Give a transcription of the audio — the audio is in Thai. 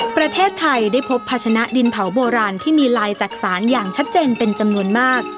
ประเทศไทยได้พบภาชนะดินเผาโบราณที่มีลายจักษานอย่างชัดเจนเป็นจำนวนมาก